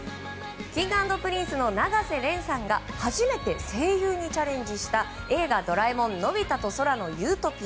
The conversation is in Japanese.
Ｋｉｎｇ＆Ｐｒｉｎｃｅの永瀬廉さんが初めて声優にチャレンジした「映画ドラえもんのび太と空の理想郷」。